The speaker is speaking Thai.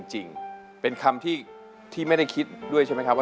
โหคำเดียว